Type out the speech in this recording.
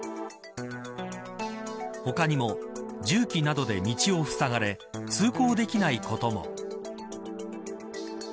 他にも重機などで道をふさがれ通行できないことも。